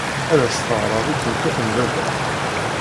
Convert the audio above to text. Ad as-teɣred i tmeṭṭut n baba-m.